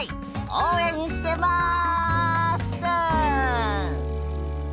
応援してます！